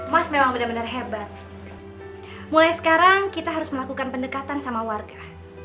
mas memang benar benar hebat mulai sekarang kita harus melakukan pendekatan sama warga